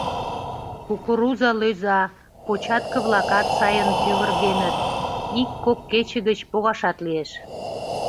Кукуруза лӧза, початке-влакат сайын тӱвыргеныт, ик-кок кече гыч погашат лиеш.